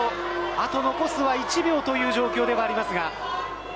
あと残すは１秒という状況ですが。